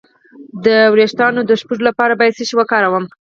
د ویښتو د شپږو لپاره باید څه شی وکاروم؟